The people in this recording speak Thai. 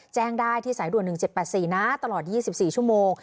แจ้งได้ที่สายด่วน๑๗๘๔นะตลอด๒๔ชั่วโมง